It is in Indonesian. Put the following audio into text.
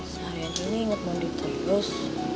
saat ini inget mandi terius